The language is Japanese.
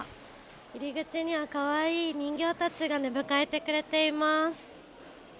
入り口にはかわいい人形たちが出迎えてくれています。